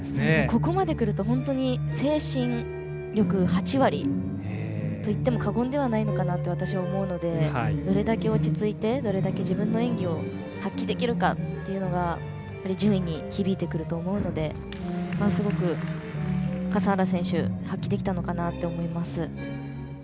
ここまでくると精神力８割といっても過言ではないのかなと私は思うのでどれだけ落ち着いてどれだけ自分の演技を発揮できるかというのは順位に響いてくると思うのですごく笠原選手発揮できたのかなと思います。